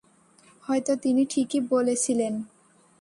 হয়তো তিনি ঠিকই বলেছিলেন।